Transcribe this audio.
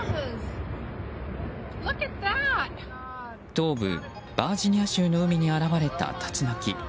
東部バージニア州の海に現れた竜巻。